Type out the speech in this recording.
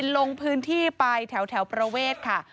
ลงพื้นที่ไปแถวประเวทค่ะ